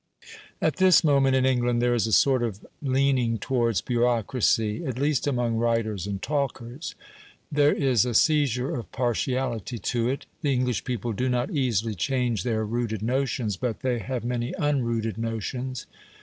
At this moment, in England, there is a sort of leaning towards bureaucracy at least, among writers and talkers. There is a seizure of partiality to it. The English people do not easily change their rooted notions, but they have many unrooted notions.